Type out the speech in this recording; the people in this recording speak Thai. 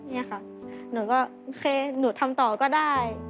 นี่ค่ะหนูก็โอเคหนูทำต่อก็ได้